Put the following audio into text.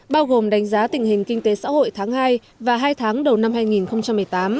bao gồm đánh giá tình hình kinh tế xã hội tháng hai và hai tháng đầu năm hai nghìn một mươi tám